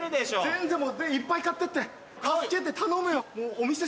全然いっぱい買ってって助けて頼むよ。